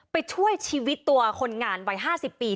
ช่วยชีวิตตัวคนงานวัย๕๐ปี